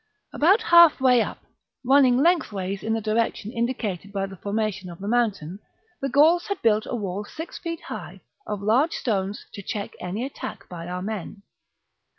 About half way up, running lengthways in the direction indi cated by the formation of the mountain, the Gauls had built a wall six feet high, of large stones, to check any attack by our men.